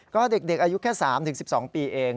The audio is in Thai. ก็เด็กอายุแค่๓๑๒ปีเอง